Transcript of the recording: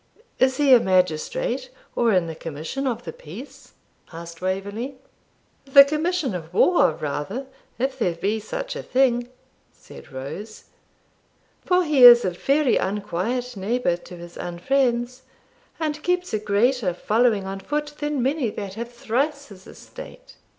Is he a magistrate, or in the commission of the peace?' asked Waverley. 'The commission of war rather, if there be such a thing,' said Rose; 'for he is a very unquiet neighbour to his unfriends, and keeps a greater following on foot than many that have thrice his estate.